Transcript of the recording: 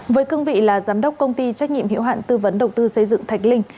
với cương vị là giám đốc công ty trách nhiệm hiệu hạn tư vấn đầu tư xây dựng thạch linh